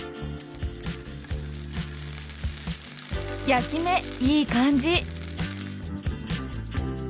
焼き目いい感じ。